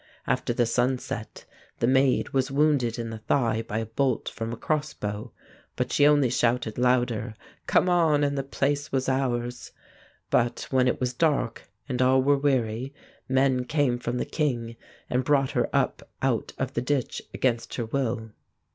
After the sun set, the Maid was wounded in the thigh by a bolt from a crossbow, but she only shouted louder, 'Come on and the place was ours.' But when it was dark and all were weary, men came from the King and brought her up out of the ditch against her will."